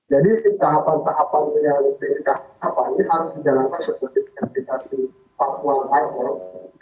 jadi tahapan tahapan yang diirgah apa ini harus dijalankan sesuai dengan kondisi pangkulan alkohol